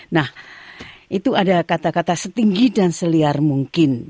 nah itu ada kata kata setinggi dan seliar mungkin